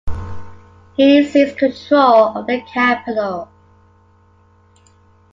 He seized control of the capital.